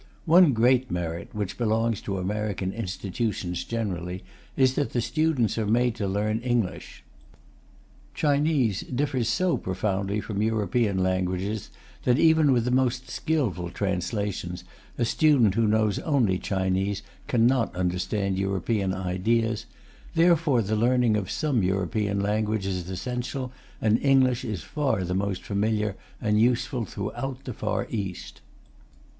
One great merit, which belongs to American institutions generally, is that the students are made to learn English. Chinese differs so profoundly from European languages that even with the most skilful translations a student who knows only Chinese cannot understand European ideas; therefore the learning of some European language is essential, and English is far the most familiar and useful throughout the Far East.